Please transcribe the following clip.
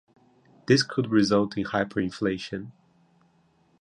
This could result in hyperinflation.